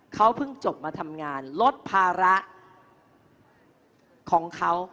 เขาเพิ่งจบมาทำงานลดภาระของเขา